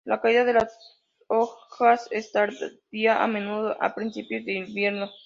La caída de las hojas es tardía, a menudo a principios de invierno.